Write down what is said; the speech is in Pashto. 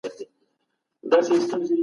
که مطالعه سوې وي نو معلومات به نه هېریږي.